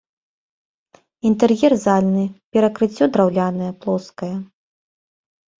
Інтэр'ер зальны, перакрыццё драўлянае, плоскае.